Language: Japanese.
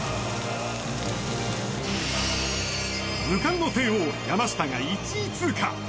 無冠の帝王山下が１位通過！